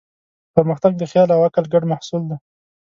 پرمختګ د خیال او عقل ګډ محصول دی.